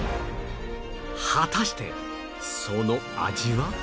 果たしてその味は？